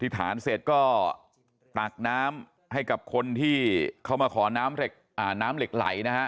ฐานเสร็จก็ตักน้ำให้กับคนที่เข้ามาขอน้ำเหล็กไหลนะฮะ